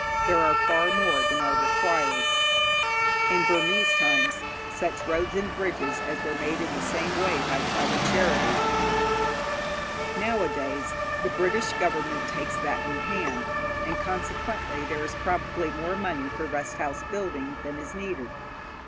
There are far more than are required. In Burmese times such roads and bridges as were made were made in the same way by private charity. Nowadays, the British Government takes that in hand, and consequently there is probably more money for rest house building than is needed.